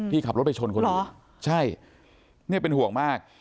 ขับรถไปชนคนอื่นใช่เนี่ยเป็นห่วงมาก